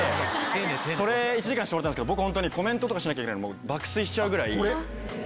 １時間してもらったんですけどコメントとかしなきゃいけないのに爆睡しちゃうぐらい。